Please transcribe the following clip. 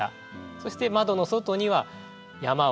そして窓の外には「山笑う」